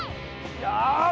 よし！